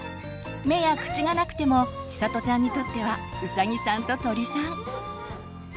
目や口がなくてもちさとちゃんにとってはうさぎさんと鳥さん。